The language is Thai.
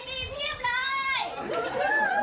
ต่อเจอมากก็เสร็จเร็ว